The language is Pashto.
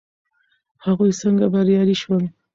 هغوی څنګه بریالي شول.